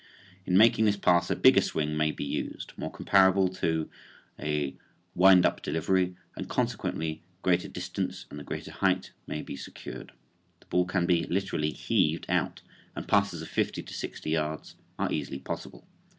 In making this pass a bigger swing may be used, more comparable to a "wind up" delivery, and consequently greater distance and greater height may be secured. The ball can be literally "heaved" out and passes of fifty to sixty yards are easily possible.